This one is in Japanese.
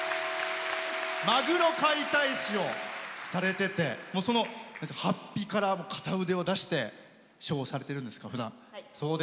マグロ解体師をされていてそのはっぴから片腕を出してショーをされてるんですかふだん。